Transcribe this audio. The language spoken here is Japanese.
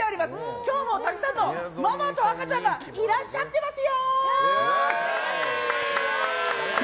今日もたくさんのママと赤ちゃんがいらっしゃっていますよ！